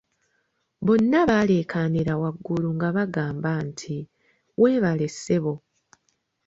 Bonna baleekaanira waggulu nga bagamba nti "weebale ssebo"